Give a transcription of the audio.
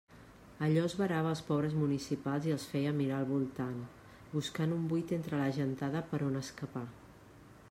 Allò esverava els pobres municipals i els feia mirar al voltant, buscant un buit entre la gentada per on escapar.